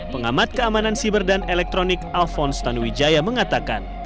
pengamat keamanan siber dan elektronik alphonse tanuwijaya mengatakan